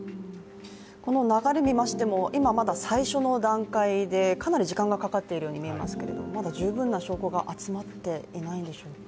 この流れ見ましても、今まだ最初の段階でかなり時間がかかっているように見えますけれどもまだ十分な証拠が集まっていないんでしょうか？